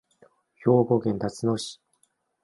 兵庫県たつの市